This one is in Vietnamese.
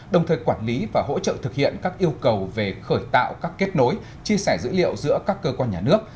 đồng thời quản lý và hỗ trợ thực hiện các yêu cầu về khởi tạo các kết nối chia sẻ dữ liệu giữa các cơ quan nhà nước